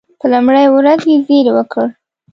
په لومړۍ ورځ یې زېری وکړ.